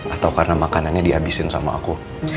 atau karena makanannya dihabisin sama aku